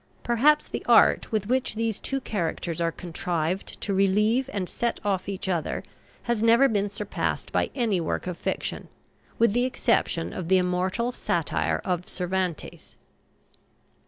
Perhaps the art with which these two characters are contrived to relieve and set off each other has never been surpassed by any work of fiction, with the exception of the immortal satire of Cervantes."